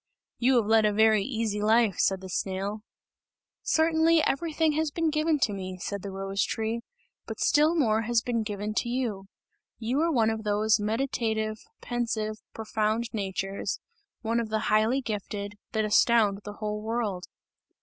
"You have led a very easy life!" said the snail. "Certainly, everything has been given to me," said the rose tree, "but still more has been given to you. You are one of those meditative, pensive, profound natures, one of the highly gifted, that astound the whole world!"